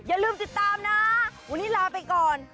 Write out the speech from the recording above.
อย่าลืมติดตามนะวันนี้ลาไปก่อน